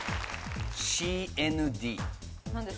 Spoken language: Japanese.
ＣＮＤ。